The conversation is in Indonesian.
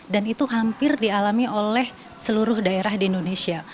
dan itu hampir dialami oleh seluruh daerah di indonesia